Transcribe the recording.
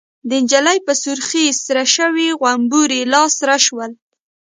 د نجلۍ په سرخۍ سره شوي غومبري لاسره شول.